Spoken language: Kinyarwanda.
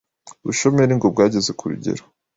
ubushomeri ngo bwegeze ku rugero